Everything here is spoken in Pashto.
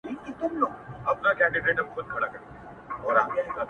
چـي اخترونـه پـه واوښـتــل’